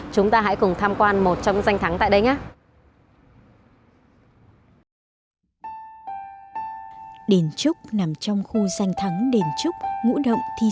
chúng ta hãy cùng tham gia một bộ phim